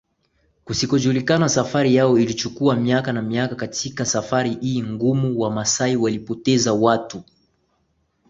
kusikojulikanaSafari yao ilichukua miaka na miaka Katika safari hii ngumu wamasai walipoteza watu